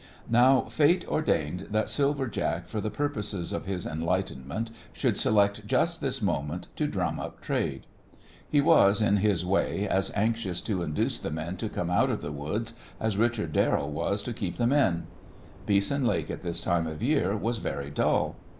Now fate ordained that Silver Jack for the purposes of his enlightenment should select just this moment to drum up trade. He was, in his way, as anxious to induce the men to come out of the woods as Richard Darrell was to keep them in. Beeson Lake at this time of year was very dull.